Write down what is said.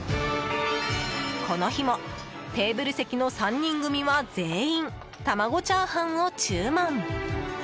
この日もテーブル席の３人組は全員、玉子チャーハンを注文。